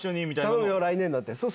頼むよ来年！なんて？